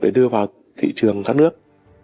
để đưa vào thị trường các nước